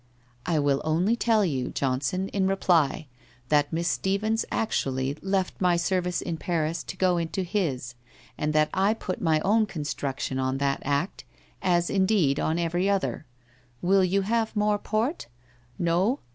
' I will only tell you, Johnson, in reply, that Miss Stephens actually left my service in Paris to go into his, and that I put my own construction on that act, as indeed on every other. Will you have more port? No?